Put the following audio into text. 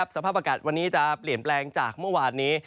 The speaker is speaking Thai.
สภาพอากาศวันนี้จะเปลี่ยนแปลงจากเมื่อวานนี้